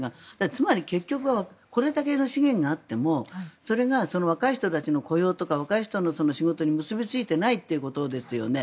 つまり、結局はこれだけの資源があってもそれが若い人たちの雇用とか若い人の仕事に結びついていないということですよね。